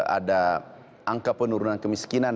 ada angka penurunan kemiskinan